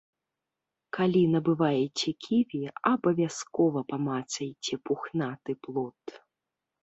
Калі набываеце ківі, абавязкова памацайце пухнаты плод.